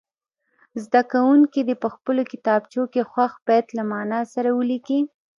زده کوونکي دې په خپلو کتابچو کې خوښ بیت له معنا سره ولیکي.